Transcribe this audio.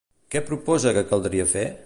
Què proposa que caldria fer?